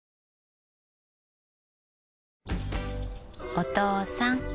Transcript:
お父さん。